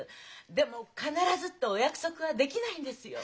でも必ずとお約束はできないんですよ。